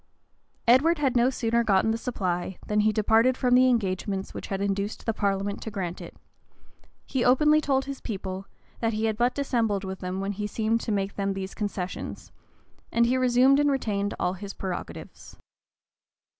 Edward had no sooner gotten the supply, than he departed from the engagements which had induced the parliament to grant it; he openly told his people, that he had but dissembled with them when he seemed to make them these concessions; and he resumed and retained all his prerogatives.